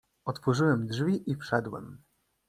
"Otworzyłem drzwi i wszedłem."